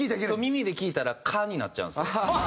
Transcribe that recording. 耳で聴いたら「可」になっちゃうんですよ。